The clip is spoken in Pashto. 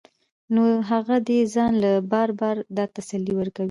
نو هغه دې ځان له بار بار دا تسلي ورکوي